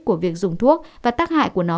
của việc dùng thuốc và tác hại của nó